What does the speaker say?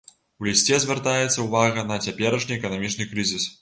У лісце звяртаецца ўвага на цяперашні эканамічны крызіс.